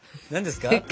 何ですか？